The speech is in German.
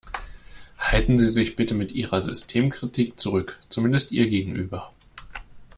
Halten Sie sich bitte mit Ihrer Systemkritik zurück, zumindest ihr gegenüber.